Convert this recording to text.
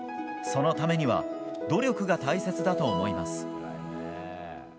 そのためには努力が大切だと思います。